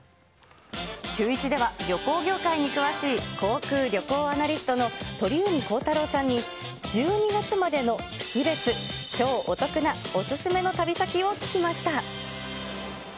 シューイチでは、旅行業界に詳しい航空・旅行アナリストの鳥海高太朗さんに、１２月までの月別超お得なお勧めの旅先を聞きました。